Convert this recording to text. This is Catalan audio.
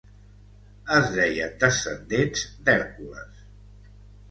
Es deien descendents d'Hèrcules.